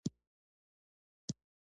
نېکه ښځه په دنیا کي لوی نعمت دی.